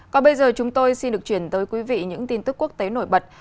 còn bây giờ chúng tôi xin được chuyển tới quý vị những tin tức quốc tế nổi bật